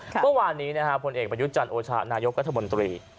เมื่อวานนี้ผลเอกมันยุชจันทร์โอชานายกกราธบนตรี